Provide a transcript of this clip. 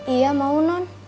iya mau non